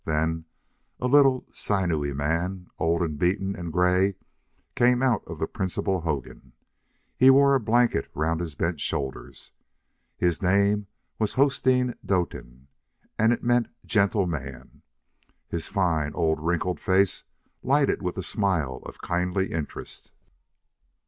Then a little, sinewy man, old and beaten and gray, came out of the principal hogan. He wore a blanket round his bent shoulders. His name was Hosteen Doetin, and it meant gentle man. His fine, old, wrinkled face lighted with a smile of kindly interest.